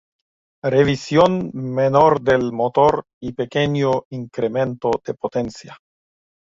Revisión menor del motor y pequeño incremento de potencia.